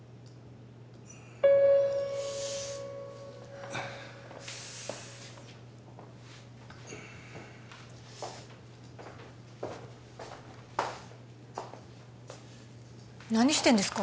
はい何してんですか？